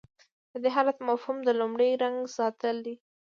د دې حالت مفهوم د لومړي رنګ ساتل دي.